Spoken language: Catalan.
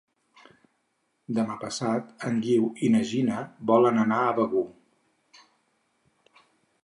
Demà passat en Guiu i na Gina volen anar a Begur.